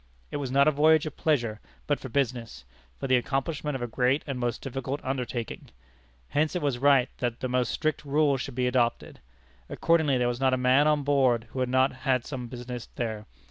It was not a voyage of pleasure, but for business; for the accomplishment of a great and most difficult undertaking. Hence it was right that the most strict rules should be adopted. Accordingly there was not a man on board who had not some business there.